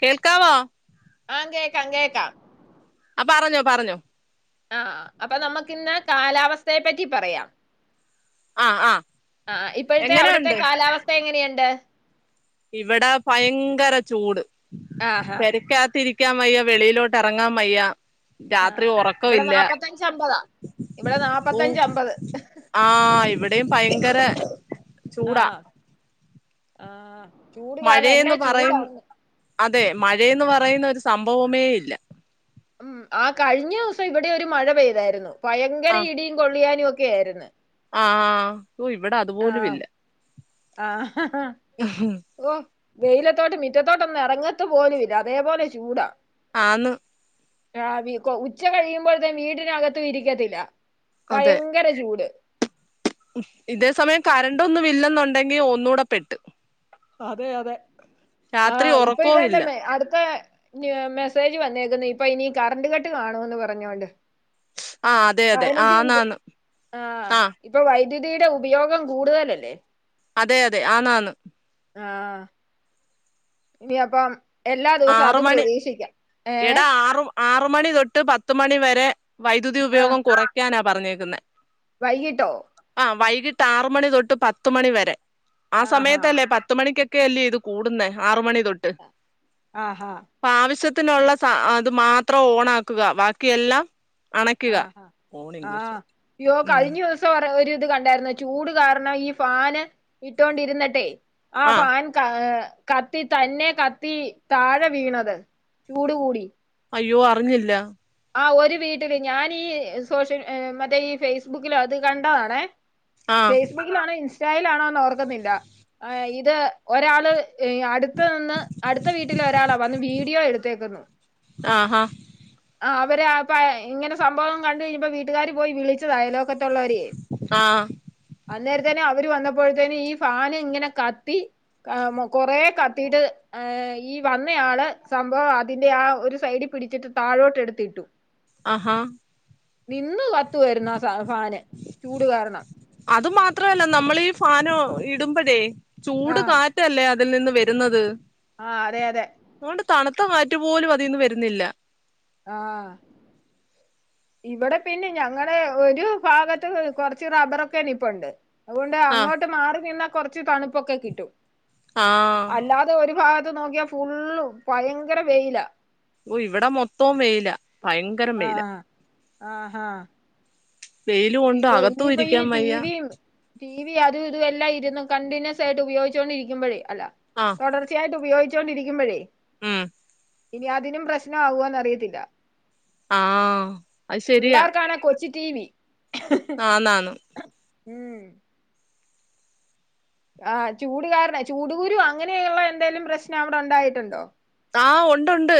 കേൾക്കാവോ ആഹ് കേക്കാം കേക്കാം ആ പറഞ്ഞോ പറഞ്ഞോ ആഹ് അപ്പൊ നമ്മക്ക് ഇന്ന് കാലാവസ്ഥയെ പറ്റി പറയാം ആ ആ ആഹ് ഇപ്പഴത്തെ അവിടത്തെ എങ്ങനെയുണ്ട് കാലാവസ്ഥ എങ്ങനെയുണ്ട് ഇവിടെ ഭയങ്കര ചൂട് ആഹാ പെരക്ക കത്തിരി ക്കാൻ വയ്യ വെളിയിലോട്ട് എറങ്ങാൻ വയ്യ രാത്രി ആഹ് ഒറക്ക ഇവിടെ ഇല്ല നാപ്പത്തഞ്ച് അമ്പതാ ഇവിടെ ഓ നാപ്പത്തഞ്ച് അമ്പത് ആഹ് ഇവിടെയും ഭയങ്കര ചൂടാ ആഹ് ആഹ് ചൂട് കാരണം എന്നാ മഴയെന്ന് പറയും ചൂടാന്ന് അതെ മഴേന്ന് പറയുന്ന ഒരു സംഭവമേ ഇല്ല ഉം ആ കഴിഞ്ഞ ദിവസം ഇവിടെ ഒരു മഴ പെയ്തായിരുന്നു ഭയങ്കര ഇടിയും കൊള്ളിയാനും ഒക്കെ ആയിരുന്നു ആഹ് ഇവിടെ ആഹ് അതുപോലുംല്ല ഓ വെയിലത്തോട്ട് മിറ്റത്തോട്ടൊന്നും എറങ്ങത്ത് പോലും ഇല്ല അതേപോലെ ചൂടാ ആന്ന് രാവി ഉച്ച കഴിയുമ്പോഴത്തെ വീടിനകത്തും ഇരിക്കത്തില്ല ഭയ അതെ ങ്കര ചൂട് ഇതേ സമയം കറണ്ട് ഒന്നും ഇല്ലെന്നുണ്ടെങ്കി ഒന്നൂടെ പെട്ട് അതെ അതെ രാത്രി ആഹ് ഇപ്പൊ ഉറക്കവും ഇതെന്നെ ഇല്ല മെ അട്ത്തെ മെസ്സേജ് വന്നേക്കുന്നു ഇപ്പൊ ഇനി കറണ്ട് കട്ട് കാണുവെന്ന് പറഞ്ഞോണ്ട് ആ അതെ അതെ പതിനഞ്ച് മിനിറ്റ് ആന്നാന്ന് ആഹ് ആ ഇപ്പം വൈദ്യുതിയുടെ ഉപയോഗം കൂടുതലല്ലേ അതെ അതെ ആന്നാന്ന് ആഹ് ഇനി അപ്പം എല്ലാ ദിവസവും ആറ് അത് മണി പ്രതീക്ഷിക്കാം ഏഹ് എടാ ആറ് ആറ് മണി തൊട്ട് പത്ത് മണി വരെ വൈദ്യുതി ആഹ് ഉപയോഗം കുറയ്ക്കാനാ പറഞ്ഞേക്കുന്നേ വൈകിട്ടോ ആഹ് വൈകിട്ട് ആറ് മണി തൊട്ട് പത്തുമണി വരെ ആ ആഹാ സമയത്തല്ലേ പത്ത് മണിക്കൊ ക്കെ അല്ലേ ഇത് കൂടുന്നേ ആറുമണി തൊട്ട് ആഹ് ഹാ അപ്പ ആവശ്യത്തിനുള്ള സ അത് മാത്രം ഓണാക്കുക ബാക്കിയെല്ലാം അണയ്ക്കുക ആഹ് ഓൺ ഹാ ഇംഗ്ലീഷ് ആഹ് യ്യോ ഉം കഴിഞ്ഞൂ സം ഒരിത് കണ്ടായിരുന്ന് ചൂട് കാരണം ഈ ഫാന് ഇട്ടോണ്ടിരുന്നിട്ടെ ആ ഫാൻ കാ കത്തി തന്നെ കത്തി താഴെ വീണത് ചൂട് കൂടി അയ്യോ അറിഞ്ഞില്ല ആ ഒരു വീട്ടില് ഞാനീ സോഷ്യൽ മറ്റേ ഈ ഫേസ്ബുക്കിലോ അത് കണ്ടതാണെ ആ ഫേസ്ബുക്ക് ലാണോ ഇൻസ്റ്റായിലാണോന്നോർക്കുന്നില്ല ഇത് ഒരാള് അടു ത്ത്ന്ന് അട്ത്ത വീട്ടില് ഒരാളാ വന്ന് വീഡിയോ എടുത്തേക്കുന്നു ആഹ്ഹാ ആഹ് അവര് അപ്പ ഇങ്ങനെ സംഭവം കണ്ട് യീപ്പ വീട്ട്കാര് പോയി വിളിച് ച്ചൂ അയലോക്കത്ത്ള്ളോരെ ആ അന്നേരംതന്നെ അവര് വന്നപ്പോഴ്ത്തേനും ഈ ഫാന് ഇങ്ങനെ കത്തി ആഹ് മോ കൊറേ കത്തീട്ട് ഏ് ഈ വന്നയാള് സംഭവം അതിന്റെ ആ ഒരു സൈഡി പിടിച്ചിട്ട് താഴോട്ട് എടുത്തിട്ടു ആഹ്ഹാ നിന്ന് കത്തുവായിരുന്നു ആ സാ ഫാന് ചൂട് കാരണം അത് മാത്രമല്ല നമ്മളീ ഫാനോ ഇടുമ്പഴേ ചൂട് ആഹ് കാറ്റ്- റ്റല്ലേ അതിൽ നിന്ന് വരുന്നത് ആഹ്അതെ അതെ ഓണ്ട് തണുത്ത കാറ്റുപോലും അതീന്ന് വരുന്നില്ല ആഹ് ഇവടെ പിന്നിം ഞങ്ങടെ ഒരു ഭാഗത്ത് കൊറച്ച് റബ്ബറൊക്കെ നിപ്പുണ്ട് അതുകൊണ്ട് ആഹ് അങ്ങോട്ട് മാറി നിന്നാ കൊർച്ച് തണുപ്പൊക്കെ കിട്ടും ആഹ് അല്ലാ തെ ഒരു ഭാഗത്ത് നോക്കിയാ ഫുള്ളും ഭയങ്കര വെയിലാ ഒയ് ഇവടെ മൊത്തോം വെയിലാ ആഹ് ആഹ്ഹാ വെയില് കൊണ്ട് ഇല്ലോ അകത്തും ഇനിപ്പോ ഈ ഇരിക്കാൻ വയ്യ ടിവിം ടി വിയാത് ഇത് എല്ലാ ഇര്ന്നു കണ്ടിന്യൂസ് ആയിട്ട് ഉപയോഗിച്ചോണ്ടിരിക്കുമ്പഴേ അല്ല ആഹ് തൊടർച്ചയായിട്ട് ഉയോഗിച്ചോണ്ടിരിക്കുമ്പഴേ ഉം ഇനി അതിനും പ്രശ്ന ആവോന്ന് അറിയത്തില്ല ആഹ് അത് [inaudible] ശരിയാ പിള്ളേർക്കാണേ കൊച്ച് ടി വി [inaudible] ന്നാന്നാന്നു ഉം ആഹ് ചൂടുകാരണേ ചൂടുകുരു അങ്ങനെയുള്ള എന്തേലും പ്രശ്നം അവടെ ഉണ്ടായിട്ടുണ്ടോ ആഹ് ഒണ്ടുണ്ട്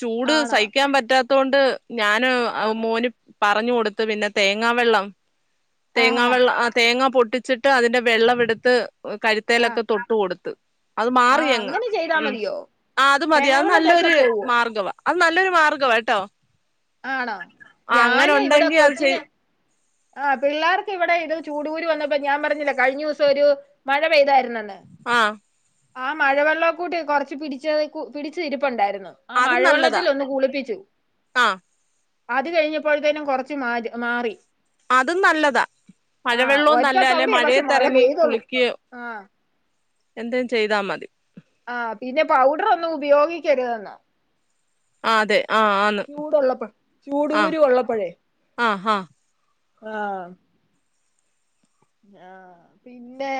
ചൂട് ആണോ സഹിക്കാൻ പറ്റാത്തോണ്ട് ഞാന് ആഹ് മോനു- പറഞ്ഞു കൊടുത്ത് പിന്നെ തേങ്ങാവെള്ളം ആഹാ തേങ്ങാവെള്ളം ആ തേങ്ങ പൊട്ടി ച്ചിട്ട് അതിന്റെ വെള്ളവെടുത്ത് ആഹ് കഴുത്തേലൊക്കെ തൊട്ട് കൊടുത്ത് അഅ് മാറി ആഹ് അങ്ങ് അങ്ങനെ ചെയ്താ ഉം മതിയോ ആഹ് അത് മതി അഅ് തേങ്ങാവെള്ളം തേച്ചാ നല്ലൊര് പോവോ മാർഗ്ഗവാ അത് നല്ലൊരു മാർഗ്ഗവാട്ടോ ആണോ ഞാന് ഇവിടെ അത് ചെയ് കൊച്ചിനെ ആഹ് പിള്ളേർക്ക് ഇവിടെ ഇത് ചൂടുകൂര് വന്നപ്പോ ഞാൻ പറഞ്ഞില്ലേ കഴിഞ്ഞൂസം ഒരു മഴ പെയ്തായിരുനന്ന് ആ ണ്ട് ആ മഴവെള്ളം കൂട്ട് കൊറച്ച് പിടിച്ചതേക്കു പിടിച്ച ഇരിപ്പുണ്ടായിരുന്നു ആ മഴവെള്ളത്തില് ഒന്ന് കുളിപ്പിച്ചു ആഹ് അത് കഴിഞ്ഞപ്പോഴ്‌ത്തെനും കൊറച്ച് മാദ് മാറി അതും നല്ലതാ ആഹ് മഴവെള്ളവും ഒറ്റ നല്ല അല്ലെ തവണയെ പക്ഷെ മഴ മഴയത്തിറങ്ങി പെയ്തൊള്ളൂ കുളിക്കുകയോ ആഹ് എന്തേം ചെയ്താ മതി ആഹ് പിന്നെ പൗഡർ ഒന്നും ഉപയോഗിക്കരുതെന്നോ ആഹ് അതെ ആഹ് ആന്ന് ചൂടുള്ളപ്പോ ആ ചൂടുകുരു ഉള്ളപ്പഴേ ആ ആ ആഹ് ആഹ് പിന്നെ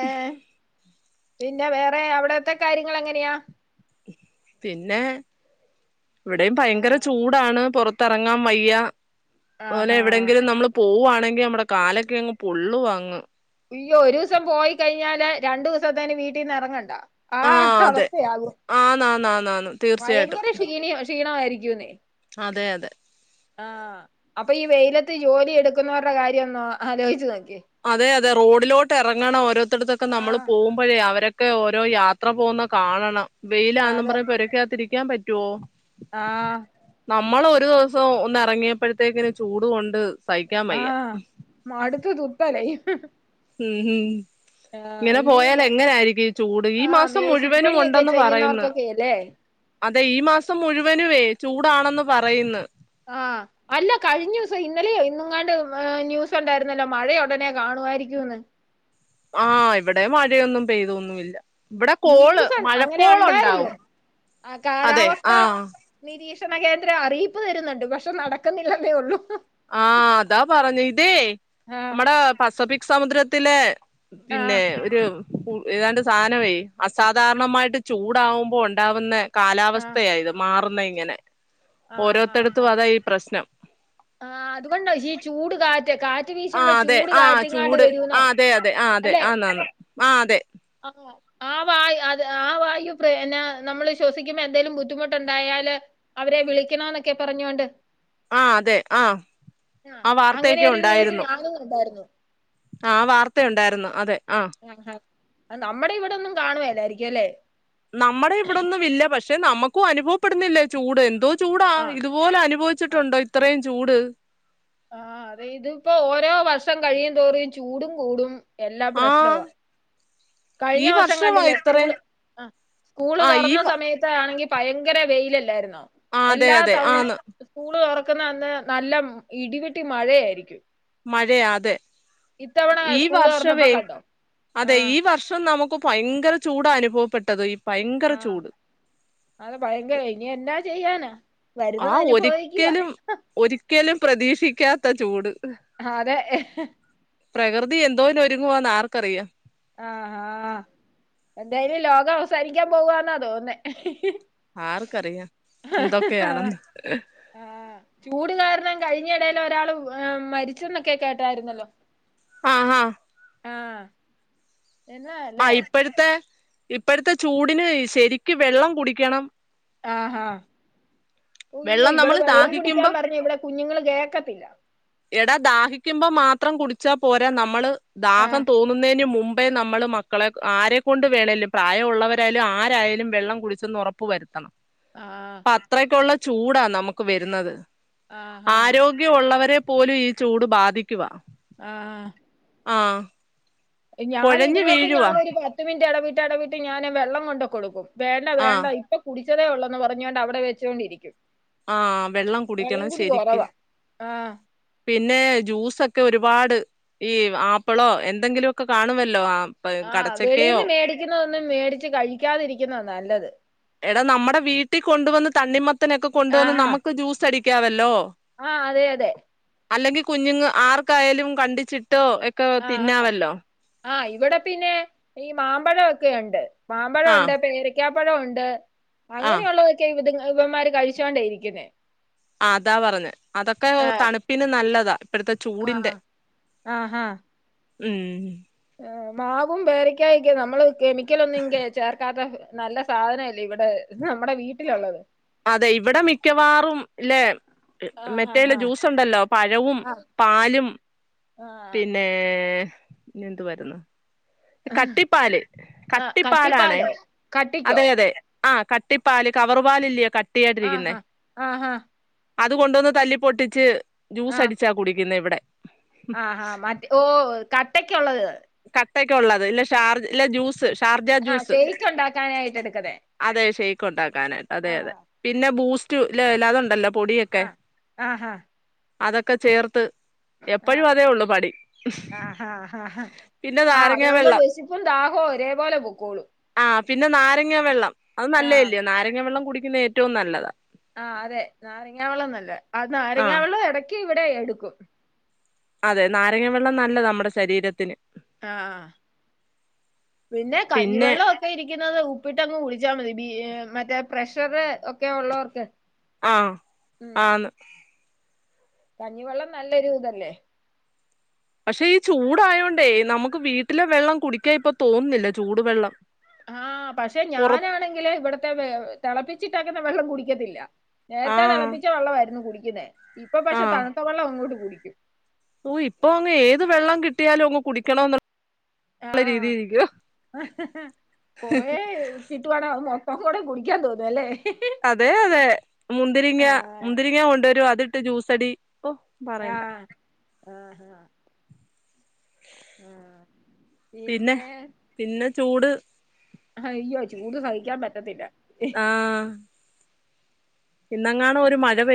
പിന്നെ വേറെ അവിടത്തെ കാര്യങ്ങള് എങ്ങനെയാ പിന്നെ ഇവിടെയും ഭയങ്കര ആഹ് ചൂടാണ് പാെറത്തറങ്ങാൻ വയ്യ ഓനെ ആഹാ എവിടെയെങ്കിലും നമ്മള് പോവുവാണെങ്കിൽ നമ്മടെ കാലക്കെ അങ്ങ് പൊള്ളുവാങ്ങ് അയ്യോ ഒരു ദിവസം പോയി കഴിഞ്ഞാല് രണ്ടു ദിവസത്തേന് വീട്ടീ നിന്ന് ഇറങ്ങണ്ട ആ അവസ്ഥയാകും ആന്നാന്നാന്നാന്ന് തീർച്ചയായിട്ടും ഭയങ്കര ക്ഷീണിയ ക്ഷീണമായിരിക്കൂന്നേ അതെ അതെ ആഹ അപ്പൊ ഈ വെയിലത്ത് ജോലി എടുക്കുന്നവരുടെ കാര്യംൊന്നോ ആലോചി നോക്കി അതെ അതെ റോഡിലോട്ട് ഇറങ്ങണം ഓരോരുത്തൊക്കെ നമ്മള് ആഹ് പോകുമ്പ അവരൊക്കെ ഓരോ യാത്ര പോകുന്ന കാണണം വെയിലാെന്ന് പറയ ഒരൊക്കെ പിക്കാൻ പറ്റുവോ? ആഹ നമ്മൾ ഒരു ദിവസം ഒന്ന് ഇറങ്ങിയപ്പോഴത്തേക്കിന് ചൂട് കൊണ്ട് സഹിക്കാൻ വയ്യ ആഹ [unintelligible] ഉം ഹം ഇങ്ങനെ ഈ പോയാൽ എങ്ങനെയിരിക്കും ഈ ചൂട് ഈ ആ മാസം മുഴുവനും മേശിരിപ്പണിയൊക്കെ ഉണ്ടെന്ന് പറയുന്നു. ചെയ്യുന്നവർക്കൊക്കെയല്ലേ അതെ ഈ മാസം മുഴുവനുവേ ചൂടാണെന്ന് പറയുന്ന്. ആഹ അല്ല കഴിഞ്ഞ ദിവസം ഇന്നലെയോ ഇന്നുംങ്ങാണ്ട് ന്യൂസ് ഉണ്ടായിരുന്നല്ലോ മഴയ ഉടനെ കാണുായിരിക്കുംന്ന്. ആഹ ഇവിടെ മഴയൊന്നും പെയ്തൊന്നുമില്ല. ഇവിടെ കോള് ന്യൂസ് അങ്ങനെ ഉണ്ടായിരുന്നു മഴക്കോള്ണ്ടാവും ആ അതെ കാലാവസ്ഥ ആഹ നിരീക്ഷണ കേന്ദ്രം അറിയിപ്പ് തരുന്നുണ്ട്. പക്ഷെ നടക്കുന്നില്ലതേ ഉള്ളു. ആഹ് അതാ പറഞ്ഞു ഇതേ ആഹ് നമ്മടെ പസഫിക് സമുദ്രത്തിലെ പിന്നെ ആഹ് ഒരു ഏതാണ്ട് സാധനമേ അസാധാരണമായിട്ട് ചൂടാവുമ്പോ ഉണ്ടാവുന്ന ആഹ് കാലാവസ്ഥയായത് മാറുന്ന ഇങ്ങനെ ഓരോരുത്തടത്തും അതാണ് ഈ പ്രശ്നം. ആ അതുകൊണ്ട പഈ ചൂട് കാറ്റ് കാറ്റ് ആ വീശുമ്പോ അതെ ചൂട് ആഹ കാറ്റെങ്ങാണ്ട് ചൂട് വരൂന്നോ അതെ അതെ ആ അതെ ആന്നന്ന് ആ അതെ ആഹ ആ വായ അത് ആ വായു പ്ര നമ്മള് ശ്വസിക്കുമ്പോ എന്തെങ്കലും ബുദ്ധിമുട്ടുണ്ടായാല് അവരെ വിളിക്കണന്നൊക്കെ പറഞ്ഞോണ്ട്. ആ അതെ ആ ആ വാർത്തയൊക്കെ അങ്ങനരു ന്യൂസ് ഉണ്ടായിരുന്നു ഞാനും കണ്ടായിരുന്നു. ആ വാർത്തയുണ്ടായിരുന്നു അതെ ആ ആഹാ നമ്മുടെ ഇവിടെ ഒന്നും കാണുവല്ലായിരിക്കും അല്ലേ? നമ്മുടെ ഇവിടൊന്നും ഇല്ല പക്ഷെ നമ്മുക്കും അനുഭവപ്പെടുന്നില്ലേ ചൂട് എന്തോ ചൂടാ ഇത് ആഹ് ഇതുപോലെ അനുഭവിച്ചിട്ടുണ്ടോ ഇത്രയും ചൂട്. ആഹ അതെ ഇതിപ്പോ ഓരോ വർഷം കഴിയും തോറും ചൂടും കൂടും എല്ലാം ആഹ് പ്രശ്നവാ ഈ കഴിഞ്ഞ വർഷം വർഷവാ കണ്ടില്ലേ ഇത്രേ സ്കൂള് സ്കൂള് ആ ഈ തുറന്ന സമയത്ത്ണെങ്കിൽ ഭയങ്കര വെയിലല്ലായിരുന്നോ ആ അതെ എല്ലാ അതെ തവണയും ആന്ന് സ്കൂള് തുറക്കുന്നന്ന് നല്ല ഇടിവെട്ടി മഴയായിരിക്കും. മഴയാ അതെ ഇത്തവണ ഈ സ്കൂള് തുറന്നപ്പോ വർഷവേ കണ്ടോ അതെ ആഹ് ഈ വർഷ പക്ഷെ നമുക്ക് ഭയങ്കര ചൂട അനുഭവപ്പെട്ടത് ഈ ഭയങ്കര ആഹ് ചൂട്. അത് ഭയങ്കര ഇനി എന്നാ ചെയ്യാന്? ആ ഒരിക്കലും ഒരിക്കലും പ്രതീക്ഷിക്കാത്ത ചൂട്. ആഹ് അതെ പ്രകൃതി എന്തോന്നിന് ഒരുങ്ങുവാന്ന് ആർക്കറിയാം. ആഹ്ഹാ എന്തായാലും ലോകം അവസാനിക്കാൻ പോവാന്നാ തോന്നുന്നേ ആർക്കറിയാം എന്തൊക്കെ ആണെന്ന്. ആഹ് ചൂട് കാരണം കഴിഞ്ഞ ഇടൽ ഒരാൾ മരിച്ചന്നൊക്കെ കേട്ടായിരുന്നല്ലോ? ആഹ് ആഹ് ആഹ് എന്നാ ആ അല്ലേ ഇപ്പഴ്ത്തെ, ഇപ്പഴ്ത്തെ ചൂടിന് ശരിക്ക് വെള്ളം കുടിക്കണം. ആഹാ അയ്യോ വെള്ളം ഇവിടെ നമ്മള് വെള്ളം കുടിക്കാൻ ദാഹിക്കുമ്പോ പറഞ്ഞാൽ ഇവിടെ കുഞ്ഞുങ്ങൾ കേക്കത്തില്ല. എടാ ദാഹിക്കുമ്പോ മാത്രം കുടിച്ചാ പോരാ നമ്മള് ആഹ് ദാഹം തോന്നു ന്നേനു മുമ്പേ നമ്മൾ മക്കളെ ആരെക്കൊണ്ട് വേണേലും പ്രായഉള്ളവരായാലും ആരായാലും വെള്ളം കുടിച്ചെന്ന് ഒറ പ്പ് വരുത്തണം. ആഹ്. അത്രക്കുള്ള ചൂടാ നമുക്ക് വരുന്നത്. ആഹാ ആരോഗ്യഒള്ളവരെ പോലും ഈ ചൂട് ബാധിക്കുവാ. ആഹ്. ആഹ്. കുഴഞ്ഞു ഞാനിതുങ്ങക്ക്‌ വീഴുവാ ഞാനൊരു പാ പത്തു മിനിറ്റ് എടവിട്ട്, എടവിട്ട് ഞാന് വെള്ളം കൊണ്ട് കൊടുക്കും വേണ്ട, ആഹ് വേണ്ട ഇ പ്പൊ കുടിച്ചതേ ഉള്ളൂന്ന് പറഞ്ഞോണ്ട് അവിടെ വെച്ചോണ്ടിരിക്കും. ആഹ് വെള്ളം കുടിക്കണം കുടി ശരിക്ക്. കുറവാ ആഹ് പിന്നെ ജ്യൂസൊക്കെ ഒരുപാട് ഈ ആപ്പിളോ എന്തെങ്കിലുക്കെ കാണുമല്ലോ. ആഹ്. ആഹ് വെളിയിന്ന് മേടിക്കുന്നതൊന്നും മേടിച്ച് കഴിക്കാതിരിക്കുന്നതാ നല്ലത്. എടാ നമ്മടെ വീട്ടി കൊണ്ടുവന്ന് തണ്ണിമത്തനൊക്കെ കൊണ്ടുവന്ന് ആഹാ നമുക്ക് ജ്യൂസ് അടിക്കാവല്ലോ. ആഹ് അതെ, അതെ. അല്ലെങ്കി കുഞ്ഞുങ്ങ ആർക്കായാലും കണ്ടിച്ചിട്ടോ എ ആഹ്, ആഹ് ഇവിടെ പിന്നെ ഈ മാമ്പഴോക്കെ ഒണ്ട്. മാമ്പഴം ആഹ് ഒണ്ട്, പേരക്കാപ്പഴം ഒണ്ട് ആഹ് അങ്ങനെള്ള ഒ ക്കെ ഇത് ഇവന്മാര് കഴിച്ചോണ്ടാ ഇരിക്കുന്നേ. ആഹ് അതാ പറഞ്ഞെ. അതൊക്കെ ആഹ് തണുപ്പിന് നല്ലതാ. ഇപ്പഴത്തെ ചൂടിന്റെ ആഹ് ഉം. ആഹ് മാവും പേരക്കായൊക്കെ നമ്മള് കെമിക്കലൊന്നും ചേർക്കാത്ത. നല്ല സാധനല്ലേ ഇവിടെ നമ്മുടെ വീട്ടിലൊള്ളത്. അതെ ഇവിടെ മിക്കവാറും ഇല്ലേ. ആഹ് ആഹ് മറ്റെല്ല ജ്യൂസ് ഒണ്ടല്ലോ പഴവും, ആഹ് പാലും ആഹ് ആഹ് പിന്നെ ഏ എന്തുവര്ന്ന്. കട്ടിപ്പാല്, ആഹ് കട്ടിപ്പാലാണേ. കട്ടിപ്പാലോ കട്ടിക്കോ അതെ, അതെ. ആ കട്ടിപ്പാല് കവർ പാലില്ലിയോ കട്ടി ആയിട്ടിരിക്കുന്നേ. ആഹാ ആഹാ അതു കൊണ്ടൊന്ന് തല്ലി പൊട്ടിച്ച് ജ്യൂസടിച്ചാ കുടിക്കുന്നെ ഇവിടെ. ആഹ്, ആഹ് മറ്റ് ഓ കട്ടക്ക് ഒള്ളത്. കട്ടക്ക് ഒള്ളത് ഇല്ല ഷാർജ് ഇല്ല ജ്യൂസ്. ഷാർജ ആഹ് ജ്യൂസ് ശേക്ക് ഒണ്ടാക്കാനായിട്ട് എടുക്കുന്നെ. അതെ ഷേക്കൊണ്ടാക്കാനായിട്ട് അതെ, അതെ പിന്നെ ബൂസ്റ്റ്ല്ലേ ലത് ഒണ്ടല്ലോ. പൊടിയൊക്കെ ആഹ് ആഹാ അതൊക്കെ ചേർത്ത്. എപ്പഴും ആഹ് അതേ ഒള്ളു പണി. ആഹ്, ഹാ, ഹാ, പിന്നെ ആഹ് നാരങ്ങ അതാവുമ്പോ വെള്ളം വെഷപ്പും ദാഹോം ഒരേ പോലെ പൊക്കോളൂം. ആഹ് പിന്നെ നാരങ്ങാ വെള്ളം അത് ആഹ് നല്ലല്ലയോ നാരങ്ങാ വെള്ളം കുടിക്കുന്ന ഏറ്റോം നല്ലതാ. ആഹ് അതെ നാരങ്ങാവെള്ളംനല്ലയ ആ നാരങ്ങാവെള്ളം എടക്ക് ഇവിടെ എടുക്കും. അതെ നാരങ്ങാ വെള്ളം നല്ലതാ നമ്മുടെ ശരീരത്തിന്. ആഹ് പിന്നെ കഞ്ഞിവെള്ളം ഇരിക്കുന്നത് ഉപ്പിട്ടങ്ങ് കുടിച്ചാ മതി ബി മറ്റേ പ്രഷർ ഒക്കെ ഒള്ളോർക്ക്. ആഹ്, ആന്ന്. കഞ്ഞിവെള്ളം നല്ലൊരു ഇതല്ലേ. പക്ഷെ ഈ ചൂടായോണ്ടേ നമുക്ക് വീട്ടിലെ വെള്ളം കുടിക്കാ ഇപ്പൊ തോന്നുന്നില്ല ചൂട് വെള്ളം. ആഹ് പക്ഷെ ഞാനാണെങ്കില് ഇവിടത്തെ തെളപ്പിച്ചിട്ടെക്കുന്ന വെള്ളം കുടിക്കത്തില്ല. നേരത്തെ ആഹ് തെളപ്പിച്ച വെള്ളവായിരുന്നു കുടിക്കുന്നേ ഇപ്പൊ പക്ഷെ തണുത്ത വെള്ളം അങ്ങോട്ട് കുടിക്കും. ഊ ഇപ്പൊ അങ് ഏത് വെള്ളം കിട്ടിയാലും അങ് കുടിക്കണോന്നുള്ള ള്ള രീതിയിരിക്കുവോ [inaudible] കിട്ടുവാണേ അത് മൊത്തം കൂടെ കുടിക്കാൻ തോന്നുവല്ലേ അതെ, അതെ മുന്തിരിങ്ങ ആ മുന്തിരിങ്ങ കൊണ്ടുവരും അതിട്ട് ജ്യൂസടി ഓഹ് ആഹ് [inaudible] ആഹ് പിന്നെ പിന്നെ ചൂട് ഹയ്യോ ചൂട് സഹിക്കാൻ പറ്റത്തില്ല ആഹ് ഇന്നങ്ങാനും ഒര് മഴ പെ